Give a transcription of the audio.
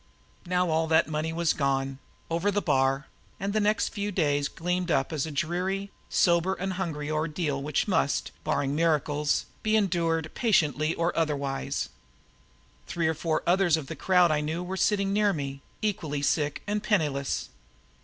Now all that money was gone over the bar and the next few days gloomed up as a dreary, sober and hungry ordeal which must, barring miracles, be endured patiently or otherwise. Three or four others of the crowd I knew were sitting near me, equally sick and penniless.